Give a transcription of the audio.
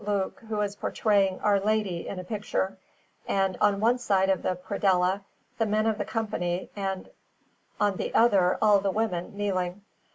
Luke who is portraying Our Lady in a picture, and on one side of the predella the men of the Company, and on the other all the women, kneeling.